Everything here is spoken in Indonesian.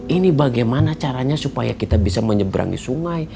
ini bagaimana caranya supaya kita bisa menyeberangi sungai